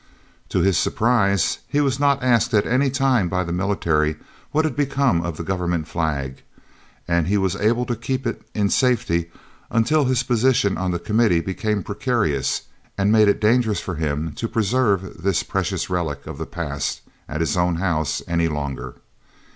To his surprise he was not asked at any time by the military what had become of the Government flag, and he was able to keep it in safety until his position on the Committee became precarious and made it dangerous for him to preserve this precious relic of the past at his own house any longer.